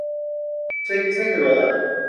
‘ اسے کس نے کھلوایا؟